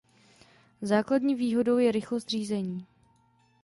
Základní výhodou je rychlost řízení.